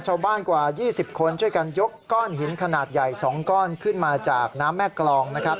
ชาวบ้านกว่า๒๐คนช่วยกันยกก้อนหินขนาดใหญ่๒ก้อนขึ้นมาจากน้ำแม่กรองนะครับ